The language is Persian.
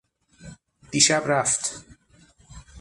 دیشب رفت.